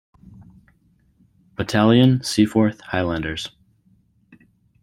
Battalion, Seaforth Highlanders.